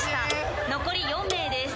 残り４名です。